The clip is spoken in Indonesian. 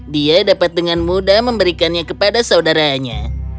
dia dapat dengan mudah memberikannya kepada saudaranya